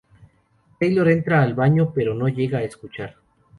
Taylor entra al baño, pero no llega a escuchar.